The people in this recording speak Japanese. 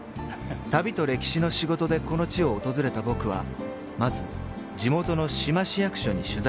［『旅と歴史』の仕事でこの地を訪れた僕はまず地元の志摩市役所に取材の協力を申し込んだ］